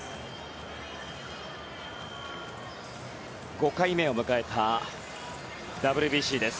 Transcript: ５回目を迎えたＷＢＣです。